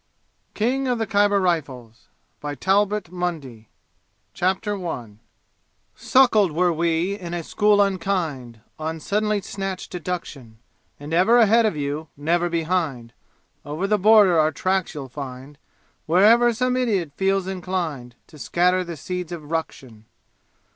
KING OF THE KHYBER RIFLES A Romance of Adventure By Talbot Mundy Chapter I Suckled were we in a school unkind On suddenly snatched deduction And ever ahead of you (never behind!) Over the border our tracks you'll find, Wherever some idiot feels inclined To scatter the seeds of ruction.